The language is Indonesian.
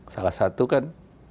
salah satu kan